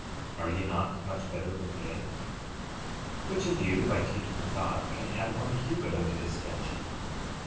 Are ye not much better than they? 13:27 Which of you by taking thought can add one cubit unto his stature?